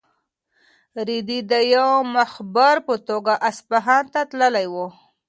رېدی د یو مخبر په توګه اصفهان ته تللی و.